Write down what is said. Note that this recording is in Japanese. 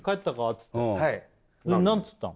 つって何つったの？